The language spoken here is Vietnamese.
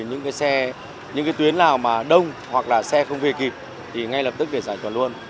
những tuyến nào mà đông hoặc là xe không về kịp thì ngay lập tức để giải tỏa luôn